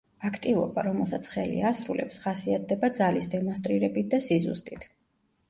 აქტივობა, რომელსაც ხელი ასრულებს, ხასიათდება ძალის დემონსტრირებით და სიზუსტით.